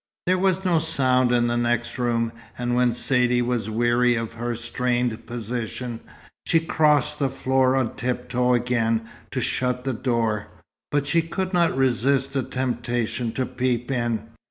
There was no sound in the next room, and when Saidee was weary of her strained position, she crossed the floor on tiptoe again, to shut the door. But she could not resist a temptation to peep in.